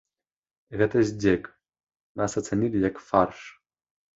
Гэта здзек, нас ацанілі, як фарш.